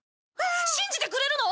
信じてくれるの？